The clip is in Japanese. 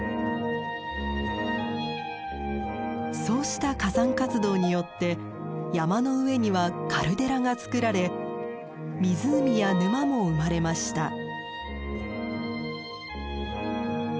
そうした火山活動によって山の上にはカルデラがつくられ湖や沼も生まれました。